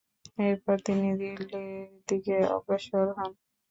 এরপর তিনি দিল্লির দিকে অগ্রসর হন।